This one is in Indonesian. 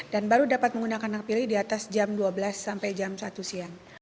dan baru dapat menggunakan hak pilih di atas jam dua belas sampai jam satu siang